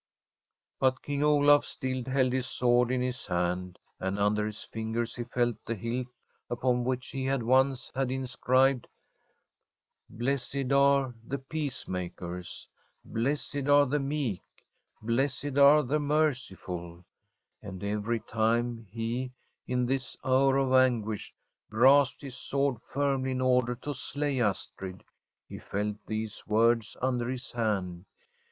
But King Olaf still held his sword in his hand, and under his fingers he felt the hilt, upon which he had once had inscribed :* Blessed are [an] From a SWEDISH HOMESTEAD the peacemakers/ 'Blessed are the meek/ ' Blessed are the merciful/ And every time he, in this hour of anguish, grasped his sword firmly in order to slay Astrid, he felt these words under his hand.